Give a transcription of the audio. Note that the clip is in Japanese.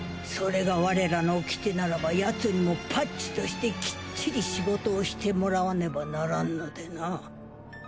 それが我らの掟ならばヤツにもパッチとしてきっちり仕事をしてもらわねばならんのでな。